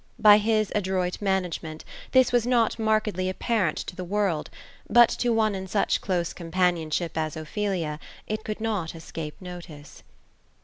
By his adroit management, this was not markedly apparent to the world ; but to one in such close companionship as Ophelia, it could not escape notice.